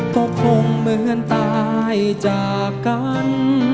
ก็คงเหมือนตายจากกัน